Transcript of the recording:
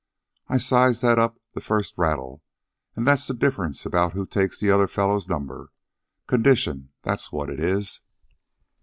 I sized that up the first rattle, an' that's the difference about who takes the other fellow's number. Condition, that's what it is."